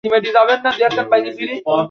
Brandy, Brandy, কি করছো?